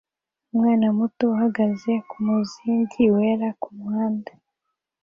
Umwana muto uhagaze kumuzingi wera kumuhanda